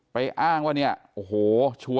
ไปอ้างว่าเนี่ยโอ้โห